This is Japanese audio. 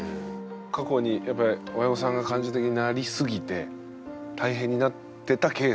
過去にやっぱり親御さんが感情的になりすぎて大変になってたケースみたいのやっぱありますか？